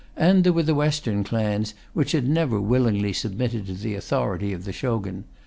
And there were the western clans, which had never willingly submitted to the authority of the Shogun.